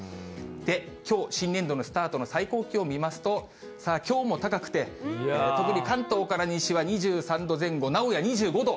で、きょう新年度のスタートの最高気温見ますと、きょうも高くて、特に関東から西は２３度前後、名古屋２５度。